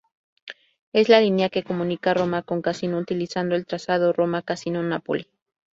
Es la línea que comunica Roma con Cassino utilizando el trazado Roma-Cassino-Napoli.